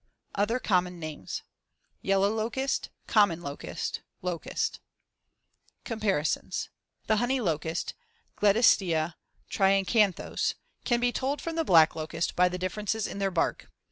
Other common names: Yellow locust; common locust; locust. Comparisons: The honey locust (Gleditsia triacanthos) can be told from the black locust by the differences in their bark.